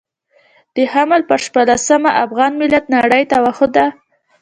د حمل پر شپاړلسمه افغان ملت نړۍ ته وښوده.